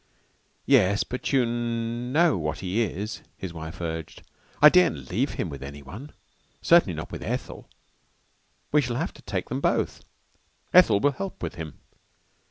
"Yes, but you know what he is," his wife urged. "I daren't leave him with anyone. Certainly not with Ethel. We shall have to take them both. Ethel will help with him."